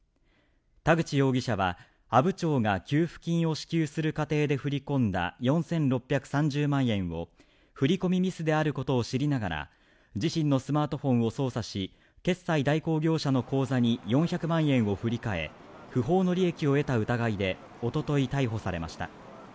田口容疑者は阿武町が給付金を支給する過程で振り込んだ４６３０万円を振り込みミスであることを知りながら自身のスマートフォンを操作し、決済代行業者の口座に４００万円を振り替え、不法の利益を得た疑いで一昨日、逮捕されました。